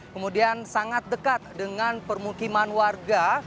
kemudian sangat dekat dengan permukiman warga